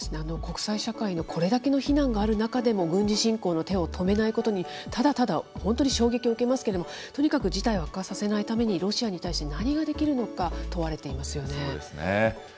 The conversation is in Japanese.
国際社会のこれだけの非難がある中でも、軍事侵攻の手を止めないことに、ただただ本当に衝撃を受けますけれども、とにかく事態を悪化させないために、ロシアに対して何ができるのか、問われそうですね。